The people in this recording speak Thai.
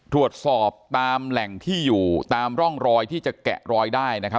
ตรวจสอบตามแหล่งที่อยู่ตามร่องรอยที่จะแกะรอยได้นะครับ